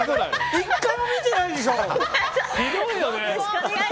１回も見てないでしょ。